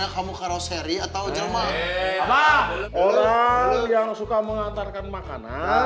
sampai jumpa di video selanjutnya